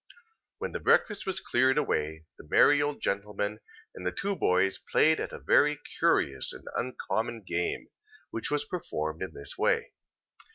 When the breakfast was cleared away; the merry old gentlman and the two boys played at a very curious and uncommon game, which was performed in this way.